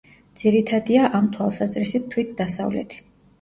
ძირითადია ამ თვალსაზრისით თვით დასავლეთი.